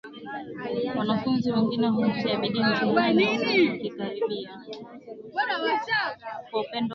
Alianza akiwa mwimbaji wa kawaida sasa hivi anamiliki Jahazi Muziki wa Taarabu